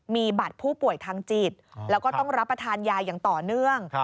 มีบัตรผู้ป่วยทางจิตแล้วก็ต้องรับประทานยาอย่างต่อเนื่อง